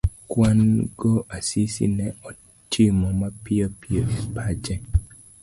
kwan go Asisi ne otimo mapiyo piyo e pache.